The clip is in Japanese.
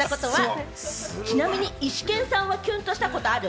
ちなみにイシケンさんはキュンとしたことある？